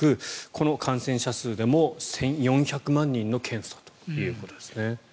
この感染者数でも１４００万人の検査ということですね。